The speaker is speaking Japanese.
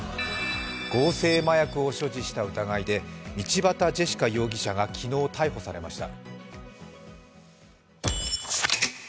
合成麻薬を所持した疑いで道端ジェシカ容疑者が昨日、逮捕されました。